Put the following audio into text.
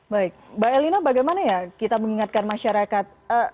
baik mbak elina bagaimana ya kita mengingatkan masyarakat